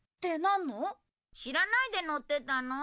知らないで乗ってたの？